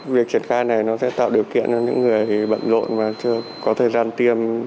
việc triển khai này nó sẽ tạo điều kiện cho những người bận rộn mà chưa có thời gian tiêm